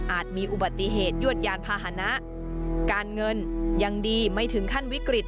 มีอุบัติเหตุยวดยานพาหนะการเงินยังดีไม่ถึงขั้นวิกฤต